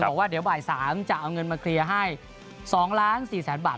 บอกว่าเดี๋ยวบ่าย๓จะเอาเงินมาเคลียร์ให้๒ล้าน๔แสนบาท